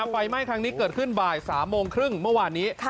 ไฟไหม้ครั้งนี้เกิดขึ้นบ่าย๓โมงครึ่งเมื่อวานนี้